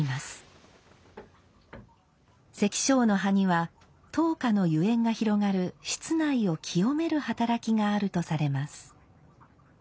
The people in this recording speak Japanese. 石菖の葉には燈火の油煙が広がる室内を清める働きがあるとされます。